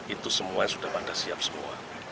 itu semua sudah pada siap semua